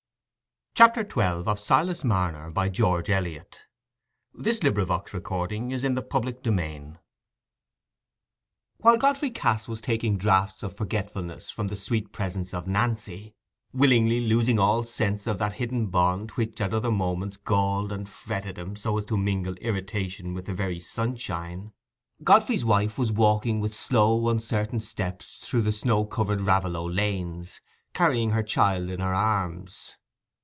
mination to get as much of this joy as he could to night, and think nothing of the morrow. CHAPTER XII. While Godfrey Cass was taking draughts of forgetfulness from the sweet presence of Nancy, willingly losing all sense of that hidden bond which at other moments galled and fretted him so as to mingle irritation with the very sunshine, Godfrey's wife was walking with slow uncertain steps through the snow covered Raveloe lanes, carrying her child in her arms.